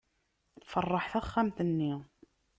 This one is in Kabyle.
Feṛṛeḥ taxxamt-nni.